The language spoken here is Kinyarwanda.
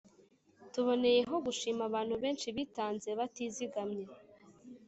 Tuboneyeho gushimira abantu benshi bitanze batizigamye